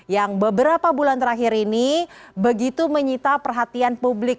yang beberapa bulan terakhir ini begitu menyita perhatian publik